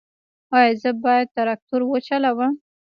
ایا زه باید تراکتور وچلوم؟